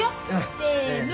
せの。